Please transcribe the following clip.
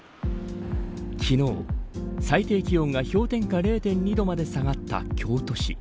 昨日、最低気温が氷点下０．２度まで下がった京都市